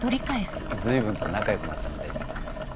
随分と仲良くなったみたいですね。